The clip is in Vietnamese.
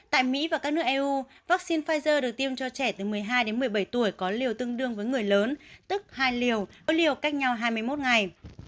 tại mỹ và các nước eu vaccine pfizer được tiêm cho trẻ từ một mươi hai đến một mươi bảy tuổi có liều tương đương với người lớn tức hai liều có liều cách nhau hai mươi một ngày